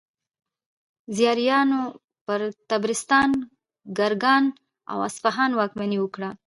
زیاریانو پر طبرستان، ګرګان او اصفهان واکمني وکړه.